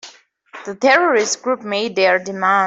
The terrorist group made their demand.